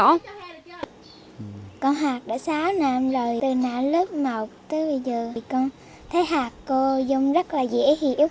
con hạc đã sáu năm rồi từ nãy lớp một tới bây giờ con thấy hạc cô dung rất là dễ hiểu